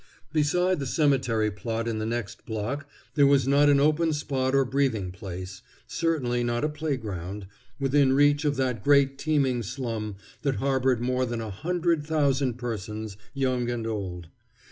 Beside the cemetery plot in the next block there was not an open spot or breathing place, certainly not a playground, within reach of that great teeming slum that harbored more than a hundred thousand persons, young and old.